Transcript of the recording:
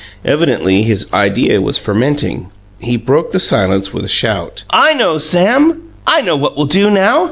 Evidently his idea was fermenting. He broke the silence with a shout. "I know, Sam! I know what we'll do NOW!